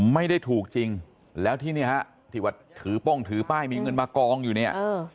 ไม่ได้ถูกจริงแล้วที่เนี่ยฮะที่ว่าถือป้งถือป้ายมีเงินมากองอยู่เนี่ย